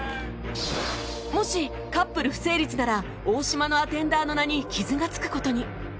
もしカップル不成立なら大島のアテンダーの名に傷がつく事に